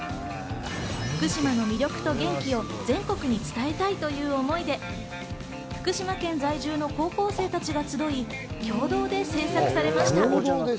福島の魅力と元気を全国に伝えたいという思いで福島県在住の高校生たちが集い、共同で制作されました。